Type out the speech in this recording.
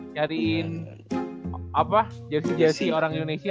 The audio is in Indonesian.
nyariin jersi jersi orang indonesia